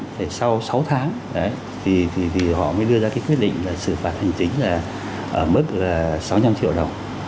thì sau sáu tháng họ mới đưa ra cái quyết định là xử phạt hành chính là mức là sáu trăm linh triệu đồng